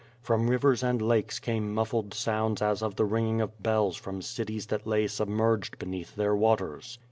From rivers and lakes came muffled sounds as of the ringing of bells from cities that lay sub merged beneath their waters.